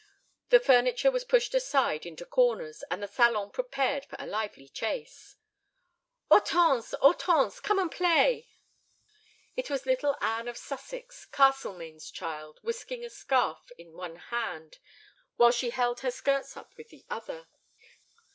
The furniture was pushed aside into corners, and the salon prepared for a lively chase. "Hortense, Hortense, come and play!" It was little Anne of Sussex, Castlemaine's child, whisking a scarf in one hand, while she held her skirts up with the other.